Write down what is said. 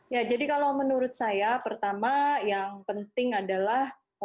ya jadi kalau menurut saya pertama yang penting adalah